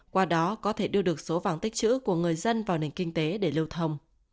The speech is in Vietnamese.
qua đó có thể đưa được số vàng tích chữ của người dân vào nền kinh tế để lưu thông